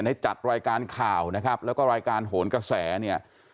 จัดรายการข่าวนะครับแล้วก็รายการโหนกระแสเนี่ย